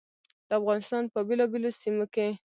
د افغانستان په بېلابېلو سیمو کې.